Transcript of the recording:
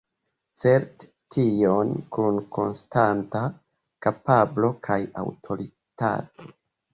Certe tion kun konstanta kapablo kaj aŭtoritato.